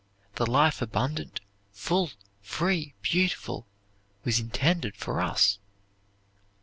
The life abundant, full, free, beautiful, was intended for us.